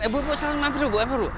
eh bu bu silakan mampir dulu bu